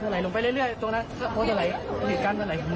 เตลัยเหมือนไม่เห็นพอเรื่อยทุกบ่านแล้วก็มา